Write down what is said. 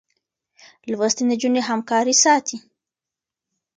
لوستې نجونې همکاري ساتي.